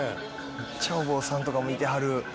めっちゃお坊さんとかもいてはる。